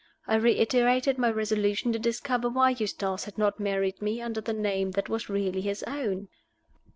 I reiterated my resolution to discover why Eustace had not married me under the name that was really his own.